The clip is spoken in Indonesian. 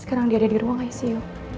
sekarang dia ada di rumah icu